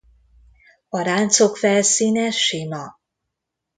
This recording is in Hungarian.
A ráncok felszíne sima.